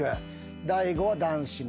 大悟は男子の。